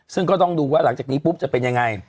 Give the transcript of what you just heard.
ซึ่งก็ต้องดูว่าหลังจากนี้ปุ๊บจะเป็นยังไง